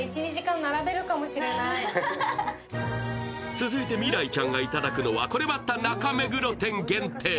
続いて未来ちゃんがいただくのはこれまた中目黒店限定。